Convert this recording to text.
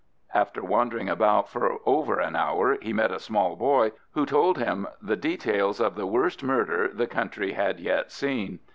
After wandering about for over an hour he met a small boy, who told him the details of the worst murder the country had yet seen.